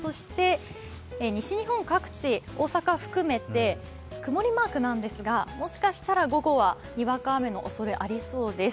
西日本各地、大阪を含めて曇りマークなんですがもしかしたら午後はにわか雨のおそれがありそうです。